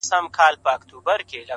رڼا ترې باسم له څراغه ،